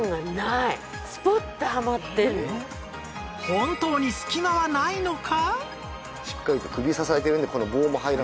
本当に隙間はないのか？